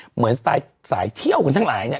เหมือนสายเที่ยวคนทั้งหลายเนี่ย